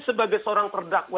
sebagai seorang terdakwa